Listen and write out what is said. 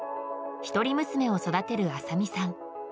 一人娘を育てる麻実さん。